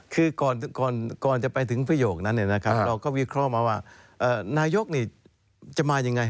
ก่อนจะไปถึงประโยคนั้นเราก็วิคลอมว่านายกจะมาอย่างไร